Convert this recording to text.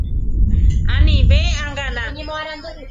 Anive angána